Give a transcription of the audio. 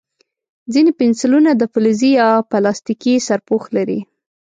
ځینې پنسلونه د فلزي یا پلاستیکي سرپوښ لري.